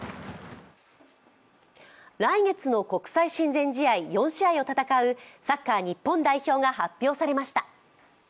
来月の国際親善試合４試合を戦うサッカー日本代表が発表されました。